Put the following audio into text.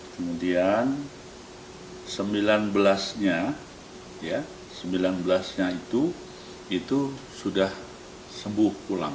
kemudian sembilan belas nya sembilan belas nya itu itu sudah sembuh pulang